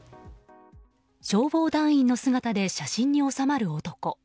消防団員の姿で写真に収まる男。